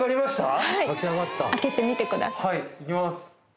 はいいきます。